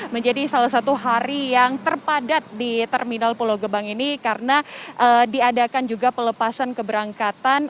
menjadi salah satu hari yang terpadat di terminal pulau gebang ini karena diadakan juga pelepasan keberangkatan